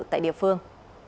tại địa phương